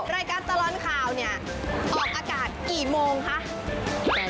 รายการตลอดข่าวเนี่ยออกอากาศกี่โมงคะ